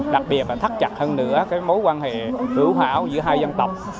đặc biệt và thắt chặt hơn nữa cái mối quan hệ hữu hảo giữa hai dân tộc